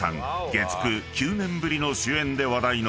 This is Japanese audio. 月９９年ぶりの主演で話題の